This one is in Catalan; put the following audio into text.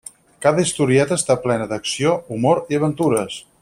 Cada historieta està plena d'acció, humor i aventures.